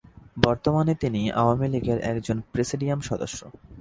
বর্তমানে তিনি আওয়ামী লীগের একজন প্রেসিডিয়াম সদস্য।